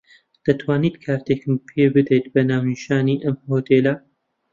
دەتوانیت کارتێکم پێ بدەیت بە ناونیشانی ئەم هۆتێلە.